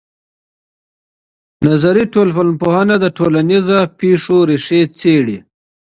نظري ټولنپوهنه د ټولنیزو پېښو ریښې څېړي.